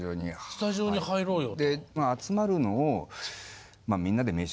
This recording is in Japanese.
スタジオに入ろうよと。